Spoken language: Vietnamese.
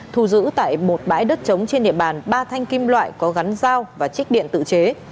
thu giữ tại một bãi đất trống trên địa bàn ba thanh kim loại có gắn dao và trích điện tự chế